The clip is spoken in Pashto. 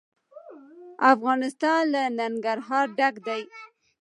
افغانستان له ننګرهار ډک دی.